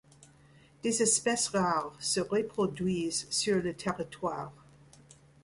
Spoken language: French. Des espèces rares se reproduisent sur le territoire.